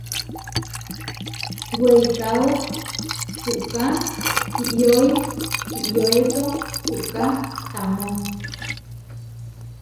Weikáo puʼká iʼyoi iʼyoeso puʼká tamó.